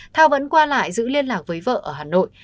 thao vẫn qua lại giữ liên lạc với vợ ở hà nội